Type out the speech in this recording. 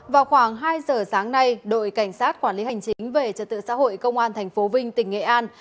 vào khoảng hai giờ sáng nay đội cảnh sát quản lý hành chính về trật tự xã hội công an tp vinh tỉnh nghệ an